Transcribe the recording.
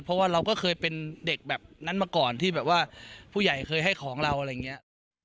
เพราะว่าเราก็เคยเป็นเด็กแบบนั้นมาก่อนที่แบบว่าผู้ใหญ่เคยให้ของเราอะไรอย่างนี้